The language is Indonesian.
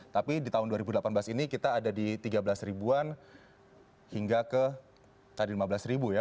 tapi di tahun dua ribu delapan belas ini kita ada di tiga belas ribuan hingga ke tadi lima belas ribu ya